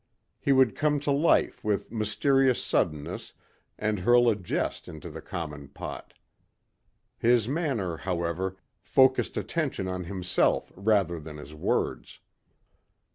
He would come to life with mysterious suddeness and hurl a jest into the common pot. His manner, however, focused attention on himself rather than his words.